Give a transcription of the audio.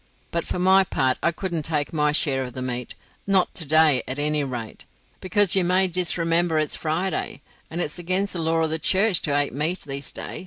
But for my part I couldn't take my share of the meat not to day at any rate, because you may disremember it's Friday, and it's agen the laws of the Church to ate meat this day.